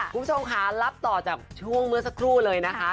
คุณผู้ชมค่ะรับต่อจากช่วงเมื่อสักครู่เลยนะคะ